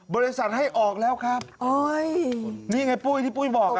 บริษัทให้ออกแล้วครับโอ้ยนี่ไงปุ้ยที่ปุ้ยบอกอ่ะ